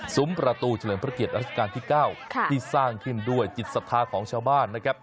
ประตูเฉลิมพระเกียรติรัชกาลที่๙ที่สร้างขึ้นด้วยจิตศรัทธาของชาวบ้านนะครับ